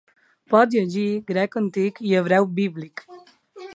Pot llegir grec antic i hebreu bíblic.